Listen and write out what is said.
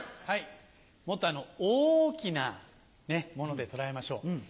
もっとあの大きなもので捉えましょう。